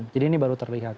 jadi ini baru terlihat